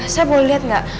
saya boleh lihat gak